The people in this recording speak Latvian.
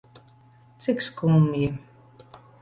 Cik skumji.